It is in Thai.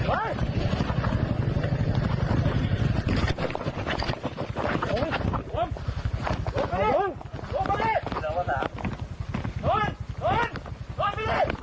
เอาปืนเอาปืนยิงเล่น